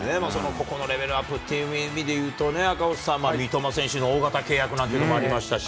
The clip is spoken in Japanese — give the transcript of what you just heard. ここのレベルアップっていう意味でいうと赤星さん、三笘選手の大型契約なんというのもありましたし。